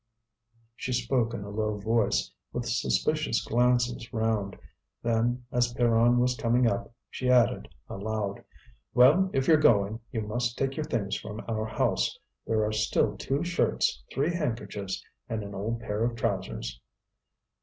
She spoke in a low voice, with suspicious glances round. Then, as Pierron was coming up, she added, aloud: "Well, if you're going, you must take your things from our house. There are still two shirts, three handkerchiefs, and an old pair of trousers."